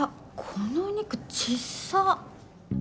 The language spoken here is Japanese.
このお肉ちっさ！